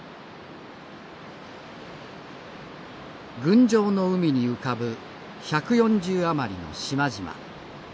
群青の海に浮かぶ１４０余りの島々。